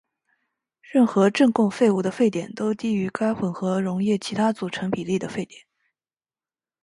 任何正共沸物的沸点都低于该混合溶液其他组成比例的沸点。